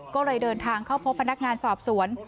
ก็เลยเดินทางเข้าพบพนักงานสอบสวน